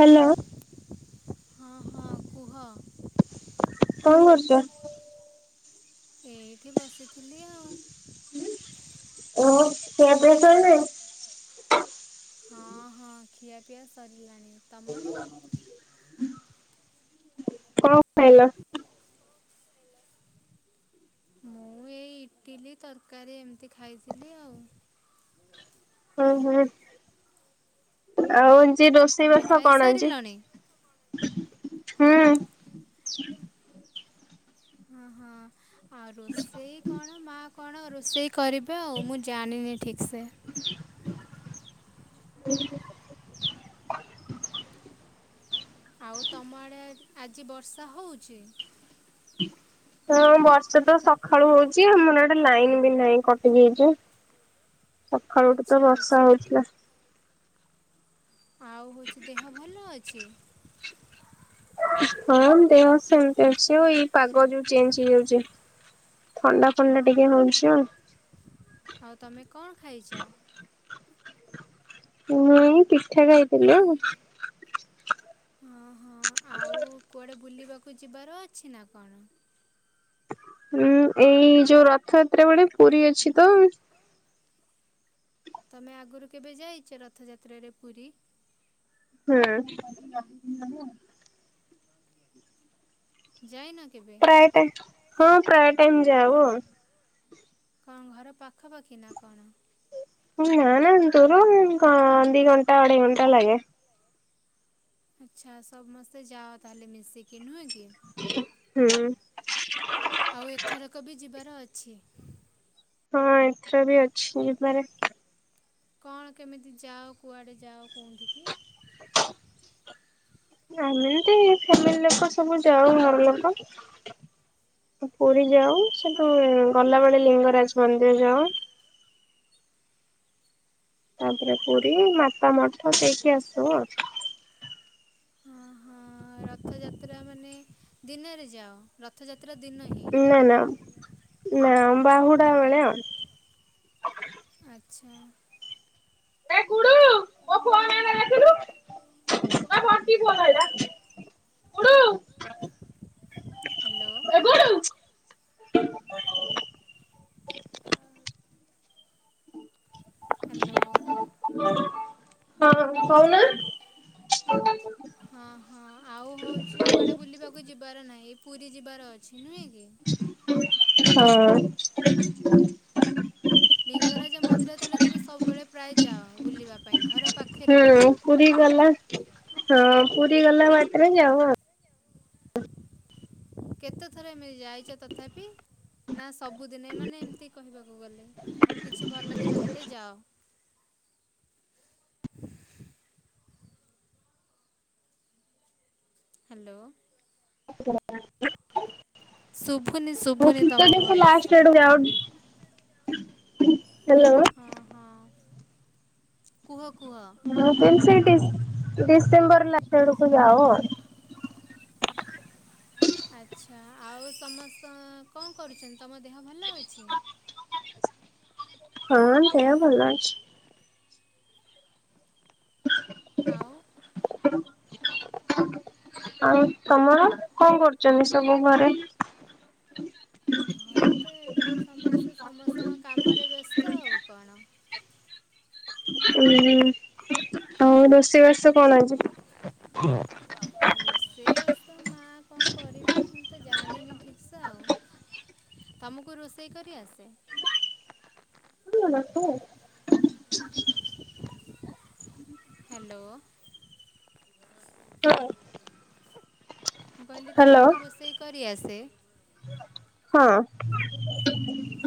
Hello. ହଁ ହଁ କୁହ। କଣ କରୁଚ? ଏଇଠି ବସିଥିଲି ଆଉ। ହୁଁ ଓ ଖିଆପିଆ [unintelligible] ହଁ ହଁ ଖିଆପିଆ ସରିଲାଣି। ତମର? [unintelligible] କଁ ଖାଇଲ? ମୁଁ ଏଇ ଇଟିଲି ତରକାରୀ ଏମିତି ଖାଇଥିଲି ଆଉ। ହୁଁ ହୁଁ ଆଉ ଆଜି ରୋଷେଇ ତମେ ବାସ କଣ ଖାଇସାରିଲଣି? ହେଇଚି? ହୁଁ। ହଁ ହଁ ଆଉ ରୋଷେଇ କଣ ମାଆ କଣ ରୋଷେଇ କରିବେ ଆଉ ମୁଁ ଜାଣିନି ଠିକ୍ ସେ। [inaudible] ହୁଁ ଆଉ ତମ ଆଡ଼େ ଆଜି ବର୍ଷା ହଉଛି? ହଁ ବର୍ଷା ତ ସଖାଳୁ ହଉଚି ଆମର ଇଆଡ଼େ ଲାଇନ ବି ନାହିଁ କଟି ଯାଇଚି। ହ ସଖାଳୁଠୁ ତ ବର୍ଷା ହଉଥିଲା। ଆଉ ହଉଛି ଦେହ ଭଲ ଅଛି? ହଁ ଦେହ ସେମିତି ଅଛି ଆଉ ଏଇ ପାଗ ଯୋଉ ଚେଞ୍ଚ ହେଇ ଯାଉଚି। ଥଣ୍ଡା ଫଣ୍ଡା ଟିକେ ହଉଚି ଆଉ। ଆଉ ତମେ କଣ ଖାଇଛ? ମୁଁ ପିଠା ଖାଇଥିଲି ଆଉ [unintelligible] କୁ କୁଆଡ଼େ ବୁଲିବାକୁ ଯିବାର ଅଛି ନା କଣ? ହୁଁ ଏଇ ଯୋଉ ରଥଯାତ୍ରା ବେଳେ ପୁରୀ ଅଛି ତ। ତମେ ଆଗରୁ କେବେ ଯାଇଚ ରଥଯାତ୍ରାରେ ପୁରୀ? ହୁଁ। ଯାଇନ କେବେ? ପ୍ରାୟ ଟାଇମ୍ ହଁ ପ୍ରାୟ ଟାଇମ୍ ଯାଉ ଆଉ। କଣ ଘର ପାଖାପାଖି ନା କଣ? ନା ନା ଦୂର [unintelligible] ଘ ଦି ଘଣ୍ଟା ଅଢେଇ ଘଣ୍ଟା ଲାଗେ। ଆଚ୍ଛା ସମସ୍ତେ ଯାଅ ତାହେଲେ ମିଶିକି ନୁହେଁ କି? ହୁଁ। ଆଉ ଏଥରକ ବି ଯିବାର ଅଛି। ହଁ ଏଥର ବି ଅଛି ଯିବାରେ। କଣ କେମିତି ଯାଅ କୁଆଡ଼େ ଯାଅ କଉଁଠିିକି? ଅମିତି ଫ୍ୟାମିଲି ଲୋକ ସବୁ ଯାଉ ଘର ଲୋକ। ପୁରୀ ଯାଉ ସେଠୁ ଗଲାବେଳେ ଲିଙ୍ଗରାଜ ମନ୍ଦିର ଯାଉ। ତାପରେ ପୁରୀ ମାତା ମଠ ଦେଇକି ଆସିବ ଆଉ। ହଁ ହଁ ରଥଯାତ୍ରା ମାନେ ଦିନରେ ଯାଅ ରଥଯାତ୍ରା ଦିନ ହିଁ। ନା ନା ନା ବାହୁୁଡା ବେଳେ ଆଉ ଆଚ୍ଛା ଏ ଗୁଡୁ ମୋ ଫୋନ ଆଇଲା ଦେଖ୍ଇଲୁ ନା କଣ ଠିକ ଭଲ ହେଲାୁ [unintelligible] ହ୍ୟାଲୋ ହ୍ୟାଲୋ ହଁ ହଉନା ହଁ ହଁ ଆଉ ହଉଛି କୁଆଡ଼େ ବୁଲିବାକୁ ଯିବାର ନାହିଁ ପୁରୀ ଯିବାର ଅଛି ନୁହେଁ କି ହଁ ଲିଙ୍ଗରାଜ ମନ୍ଦିର ତାହେଲେ ତମେ ସବୁବେଳେ ପ୍ରାୟ ଯାଅ ବୁଲିବା ପାଇଁ ଘର ପାଖରେ ବସେ କଦି ଗଲା ହଁ ପୁରୀ ଗଲା ବାଟରେ ଯାଅ ଆଉ କେତେ ଥର ଏମିତି ଯାଇଛ ତଥାପି ନା ସବୁଦିନେ ମାନେ ଏମତି କହିବାକୁ ଗଲେ କିଛି ଭଲ ଦିନ ହେଲେ ଯାଅ ହ୍ୟାଲୋ ଶୁଭୁନି [inaudible] ମୁ ଶୁଭୁନି ଫତ ତମ ସେ ଭଏସ୍ ଲାଷ୍ଟ ଡଟ ଗଉ [inaudible] ହେଲା ହଁ ହଁ କୁହ କୁହ ମୁ କେେିନ ସେ ଡି ଡିସେମ୍ବର ଲାତେଡ ରୁପ ଆଉ [unintelligible] ଆଚ୍ଛା ଆଉ ସମସ୍ତ କଣ କରୁଛନ୍ତି ତମ ଦେହ ଭଲ ଅଛି ହଁ ଦେହ ଭଲ ଅଛି ଆଉ ଆଉ ତମର କଣ କରୁଛନ୍ତି ସବୁ ଘରେ ଘରେ ତ ଏବେ ସମସ୍ତେ ସମସ୍ତଙ୍କ କାମରେ ବ୍ୟସ୍ତ ଆଉ କଣ ହୁଁ ଆଉ ରୋଷେଇବାସ କଣ ଆଜି ଆଉ ରୋଷେଇବାସ ମା କଣ କରିବ ମୁଁ ତ ଜାଣିନି ଠିକସ ଆଉ ତମକୁ ରୋଷେଇ କରି ଆସେ [unintelligible] ତୁ [unintelligible] ହ୍ୟାଲୋ [unintelligible] ମୁଁ କହିଲି ତମକୁ ରୋଷେଇ କରି ଆସେ ହଁ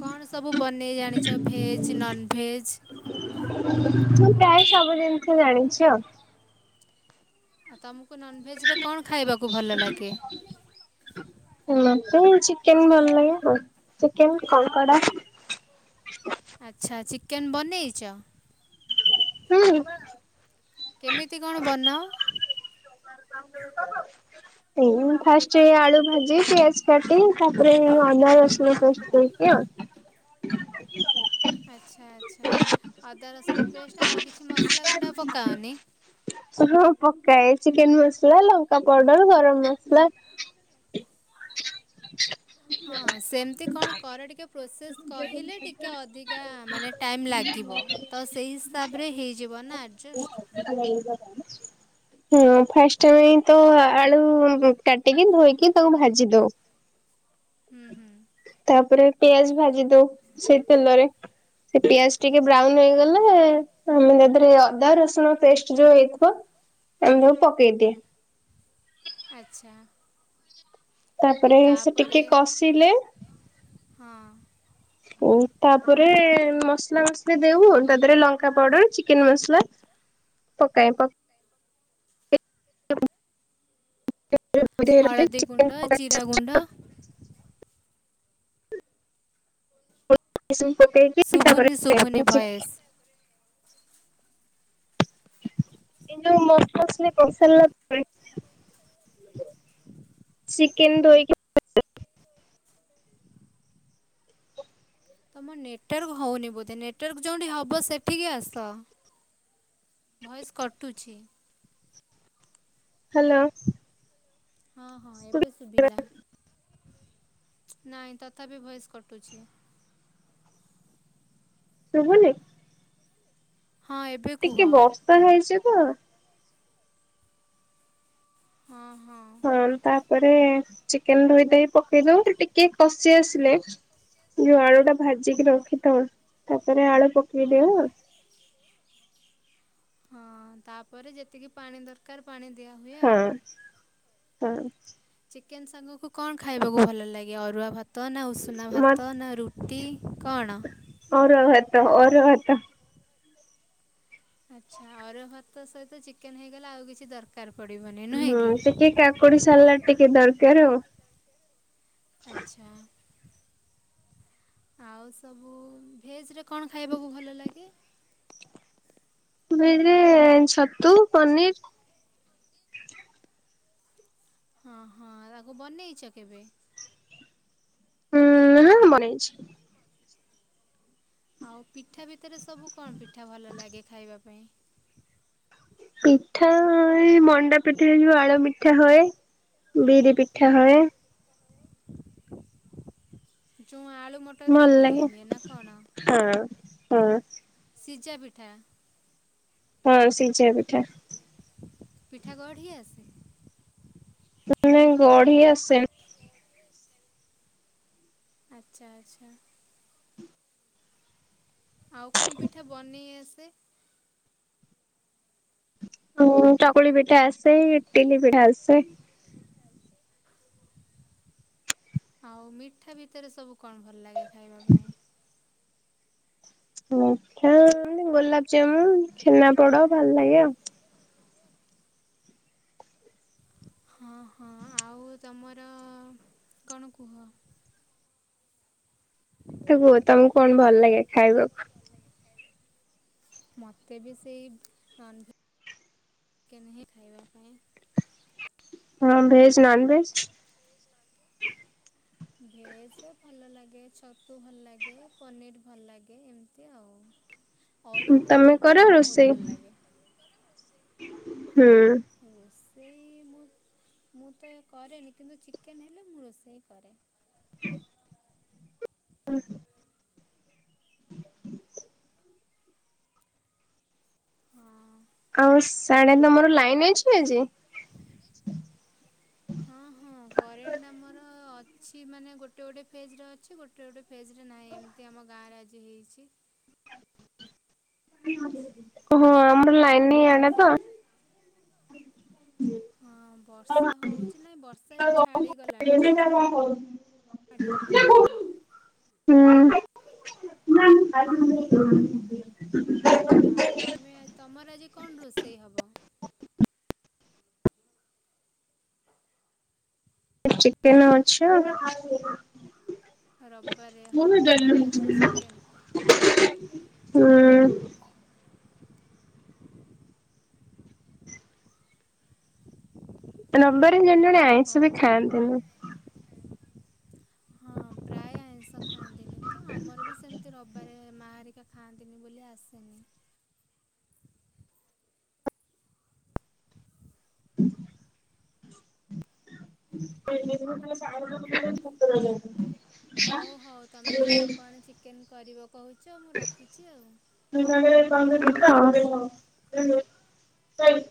କଣ ସବୁ ବନେଇ ଜାଣିଛ ଭେଜ୍ ନନଭେଜ୍ ମୁଁ ପ୍ରାୟ ସବୁ ଜିନିଷ ଜାଣିଛି ଆଉ ଆଉ ତମକୁ ନନଭେଜ ରେ କଣ ଖାଇବାକୁ ଭଲ ଲାଗେ ମତେ ଚିକେନ ଭଲ ଲାଗେ ଚିକେନ କଂକଡା ଆଚ୍ଛା ଚିକେନ ବନେଇଛ ହୁଁ କେମିତି କଣ ବନାଅ ଫାଷ୍ଟ ଆଳୁ ଭାଜି ପିଆଜ କାଟି ତାପରେ ଅଦା ରସ ଛି ଆଉ [unintelligible] ଆଚ୍ଛା ଆଚ୍ଛା ଅଦା ରସୁଣ ପେଷ୍ଟ ଆଉ କିଛି ମସଲା ଗୁଣ୍ଡା ପକାଅନି ହଁ ପକାଏ ଚିକେନ ମସଲା ଲଙ୍କା ପାଉଡର ଗରମ ମସଲା [inaudible] ହଁ ସେମିତି କଣ କରରେ ଟିକେ ପ୍ରୋସେସ୍ କହିଲେ ଟିକେ ଅଧିକା ମାନେ ଟାଇମ୍ ଲାଗିବ ତ ସେହି ହିସାବରେ ହେଇଯିବ ନା ଆଡ଼ଜଷ୍ଟ [unintelligible] [inaudible] ହଁ ଫାଷ୍ଟ ତ ଆଳୁ କାଟିକି ଧୋଇକି ତାକୁ ଭାଜି ଦଉ [inaudible] ହୁଁ ତାପରେ ପିଆଜ ଭାଜି ଦଉ ସେଇ ତେଲରେ ସେ ପିଆଜ ଟିକେ ବ୍ରାଉନ ହେଇଗଲା ଉଁ ସେଥିରେ ଅଦା ରସୁଣ ପେଷ୍ଟ ଯୋଉ ହେଇ ଥିବ ତାକୁ ସବୁ ପକେଇଦିଏ। ଆଚ୍ଛା ତାପରେ ସେ ଟିକେ ତାପରେ କଷିଲେ ହଁ ଓ ତାପରେ ମସଲା ମସଲା ଦେଉ ତା ଦେହରେ ଲଙ୍କା ପାଉଡର ଚିକେନ ମସଲା ପକାଏ ପ ହଳଦୀ ଗୁଣ୍ଡ ଜିରା ଗୁଣ୍ଡ [unintelligible] ଉସୁମ ପଟେଈ ଶୁଭୁନି ଶୁଭୁନି ଭଏସ କିନ୍ତୁ ମ ମସଲି କସଲ [unintelligible] ଚିକେନ ଧୋଇକି ତୁମ ନେଟୱାର୍କ ହଉନି ବୋଧେ ନେଟୱାର୍କ ଯେଉଁଠି ହେବ ସେଠିକି ଆସ। ଭଏସ୍ କଟୁଛି ହ୍ୟାଲୋ ହଁ ହଁ ଏବେ ଶୁଭିଲା ନାଇଁ ତଥାପି ଭଏସ୍ କଟୁଛି। ଶୁଭୁନି ହଁ ଏବ ଟିକେ ବର୍ଷା ହେଇଚି ତ ହଁ ହଁ ଏବଂ ତାପରେ ଚିକେନ ଧୋଇ ଦେଇ ପକେଇ ଦଉ ସେ ଟି କେ କସିି ଆସିଲେ ଯୋଉ ଆଳୁଟା ଭାଜିିକି ରଖୀ ତ ଶେଷରେ ଆଳୁ ପକେଇ ଦେଉ ହଁ ତାପରେ ଯେତିକି ପାଣି ଦର କାର ପାଣି ଦିଆ ହୁଏ ହଁ ଆଉ। ହଁ ଚିକେନ ସାଙ୍ଗକୁ କଣ ଖାଇବାକୁ ଭଲ ଲାଗେ ଅରୁଆ ଭାତ ନା ଉଷୁନା ମ ଭାତ ନା ରୁ ଟି କଣ? ଅରୁଆ ଭାତ ଅରୁଆ ଭାତ। ଆଚ୍ଛା ଅରୁଆ ଭାତ ସହିତ ଚିକେନ ହେଇଗଲା ଆଉ କିଛି ଦରକାର ପଡିବନି ନୁହେଁ କି କୁଡ଼ି ସାଲାଟ ଟିକେ ଦରକାର ଆଉ। ଆଚ୍ଛା ଆଉ ସବୁ ଭେଜରେ କଣ ଖାଇବାକୁ ଭଲ ଲାଗେ? ଭେଜ୍ ରେ ଛତୁ ପନିର ହଁ ହଁ ରାକୁ ବନେଇଛ କେବେ? ହୁଁ ଉଁ ବନେଇଚି। ଆଉ ପିଠା ଭିତରେ ସବୁ କଣ ପିଠା ଭଲ ଲାଗେ ଖାଇବା ପାଇଁ। ପିଠା ଏ ମଣ୍ଡା ପିଠା ହେଇଯିବ ଆଳୁ ପିଠା ହଏ ବିରି ପି ଠା ହଏ। ଯୁଁ ଆଳୁ ମଟ ମଟର ଭଲ ପୁର ଦିଆ ଲାଗେ ହୁଏ ନା କଣ ହଁ ହଁ। ସିଜା ପିଠା ହଁ ସିଝା ପିଠା। ପିଠା ଗଢି ଆସେ? ଉଁ ନାଇଁ ଗଢି ଆସେ ଆଚ୍ଛା ଆଚ୍ଛା ଆଉ କୋଉ ପିଠା ବନେଇ ଆସେ? ଉଁ ଚକୁଳି ପିଠା ଆସେ ଇଟିଲୀ ପିଠା ଆସେ। ଆଉ ମିଠା ଭିତରେ ସବୁ କଣ ଭଲ ଲାଗେ ଖାଇବା ପାଇଁ? ମିଠା ଗୋଲାପଜାମୁନ ଛେନା ପୋଡ ଭଲ ଲାଗେ ଆଉ। ହଁ ହଁ ଆଉ ତୁମର କଣ କୁହ? ତ କୁହ ତମକୁ କଣ ଭଲ ଲାଗେ ଖାଇବାକୁ? ମୋତେ ବି ସେଇ ନନ୍ଭେ ଚିକେନ୍ ହିଁ ଖାଇବା ପାଇଁ। ହଁ ଭେଜ ନନ୍ ଭେଜ? ଭେଜ ଭଲ ଲାଗେ ଛତୁ ଭଲ ଲାଗେ ପନିର ଭଲ ଲାଗେ ଏମିତି ଆଉ। ଅରୁଆ ଭାତ ତମେ ଡାଲମା କର କିନ୍ତୁ ବହୁତ ରୋଷେଇ? ଭଲ ଲାଗେ। ହୁଁ। ରୋଷେଇ ମୁଁ ମୁଁ ତ କରେନି କିନ୍ତୁ ଚିକେନ ହେଲେ ମୁଁ ରୋଷେଇ କରେ। ହଁ ହୁଁ। ହଁ। ଆଉ ଶାଡେ ତମର ଲାଇନି ଅଛି ଆଜି? ହଁ ହଁ। ହଁ କରେଣ୍ଟ ଆମର ଅଛି ମାନେ ଗୋଟେ ଗୋଟେ ଫେଜରେ ଅଛି ଗୋଟେ ଗୋଟେ ଫେଜରେ ନାହିଁ ଏମ ତି ଆମ ଗାଁରେ ଆଜି ହେଇଛି। ହଁ ଆମର ଲାଇନ ନାଇଁ ଇଆଡେ ତ। ହୁଁ। ହଁ ବର୍ଷା ହଉଛି ନାଇଁ ବର୍ଷା ଏବେ ହୁଁ। ଛାଡ଼ିଗଲାଣି ଖରା ମା ଛାଡ଼ିଲାଣି ଯେ ହୁଁ। ଆଉ ତମେ ତମର ଆଜି କଣ ରୋଷେଇ ହବ? ହ ଏ ଚିକେନ ଅଛ। ରବିବାରେ ହଁ ରବିବାର ତାହେଲେ ଚିକେନ। ହୁଁ। ରବିବାରେ ଜଣେ ଜଣେ ଆଇଁଷ ଆଉ ବି ଖାଆନ୍ତିନି। ହଁ ପ୍ରାୟ ଆଇଁଷ ଖାଆନ୍ତିନି ତ ଆମର ବି ସେମିତି ରବିବାରେ ମା ହେରିରିକା ଖାଆନ୍ତିନି ବୋଲି ଆସେନି। ହ [unintelligible] ହଉ ହଉ ତମେ ଯାଓ କଣ ଚିକେନ କରିବ କହୁଛ ମୁଁ ରଖୁଛି ଆଉ। [unintelligible] ହଁ।